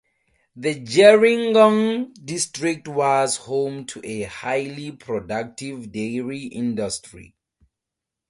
The Gerringong district was home to a highly productive dairy industry.